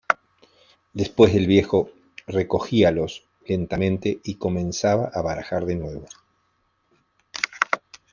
después el viejo recogíalos lentamente y comenzaba a barajar de nuevo.